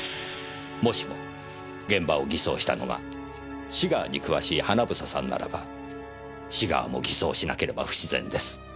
もしも現場を偽装したのがシガーに詳しい英さんならばシガーも偽装しなければ不自然です。